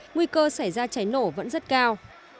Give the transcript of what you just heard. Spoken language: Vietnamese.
nguy cơ xảy ra cháy nổ vẫn rất cao